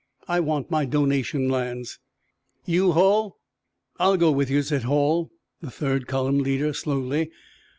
I want my donation lands." "You, Hall?" "I'll go with you," said Hall, the third column leader, slowly.